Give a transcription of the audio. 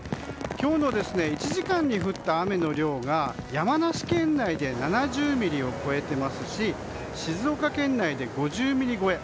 今日の１時間に降った雨の量が山梨県内で７０ミリを超えていますし静岡県内で５０ミリ超え。